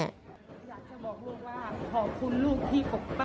อยากจะบอกลูกว่าขอบคุณลูกที่ของป้า